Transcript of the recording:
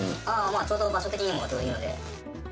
ちょうど場所的にもちょうどいいので。